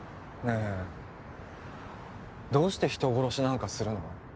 えどうして人殺しなんかするの？